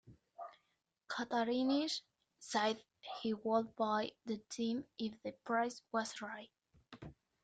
Cattarinich said he would buy the team if the price was right.